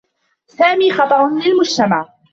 سامي خطر للمجتمع.